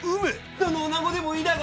どの女子でもいいだが。